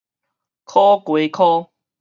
苦瓜箍